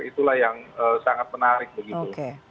itulah yang sangat menarik